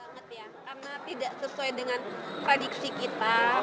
karena tidak sesuai dengan tradisi kita